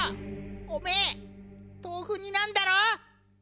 おめえ豆腐になんだろ！？